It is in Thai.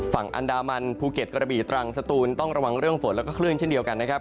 ฝั่งอันดามันภูเก็ตกระบีตรังสตูนต้องระวังเรื่องฝนแล้วก็คลื่นเช่นเดียวกันนะครับ